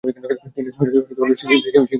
তিনি সিকিম বিধানসভার স্পিকার।